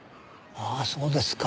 ああそうですか。